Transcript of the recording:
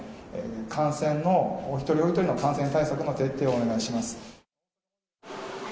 感染の、お一人お一人の感染対策の徹底をお願いします。